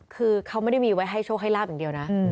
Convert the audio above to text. คือเขาไม่ได้มีไว้ให้โชคให้ลาบอย่างเดียวนะ